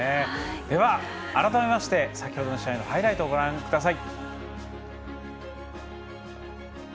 では、改めまして先ほどの試合のハイライトをご覧ください。